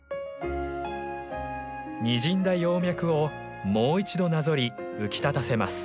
にじんだ葉脈をもう一度なぞり浮き立たせます。